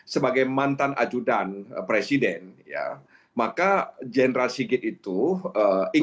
sebagai mantan ajudan presiden maka general sigit itu ingin diberikan kesempatan